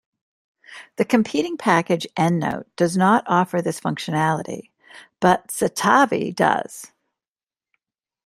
The competing package EndNote does not offer this functionality, but Citavi does.